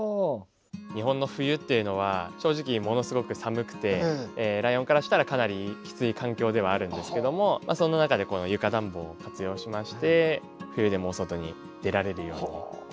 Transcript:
日本の冬っていうのは正直ものすごく寒くてライオンからしたらかなりきつい環境ではあるんですけどもその中でこの床暖房を活用しまして冬でも外に出られるように。